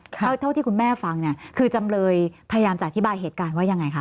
เท่าที่คุณแม่ฟังเนี่ยคือจำเลยพยายามจะอธิบายเหตุการณ์ว่ายังไงคะ